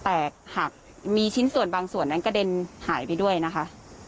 แตกหักมีชิ้นส่วนบางส่วนนั้นกระเด็นหายไปด้วยนะคะ